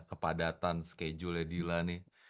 kepadatan schedule nya dila nih